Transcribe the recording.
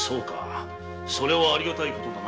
それはありがたいことだな。